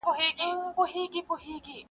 زما د ټوله ژوند تعبیر را سره خاندي,